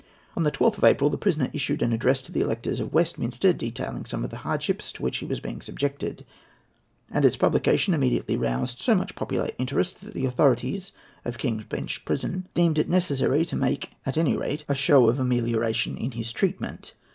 On the 12th of April the prisoner issued an address to the electors of Westminster, detailing some of the hardships to which he was being subjected; and its publication immediately roused so much popular interest that the authorities of King's Bench Prison deemed it necessary to make at any rate a show of amelioration in his treatment.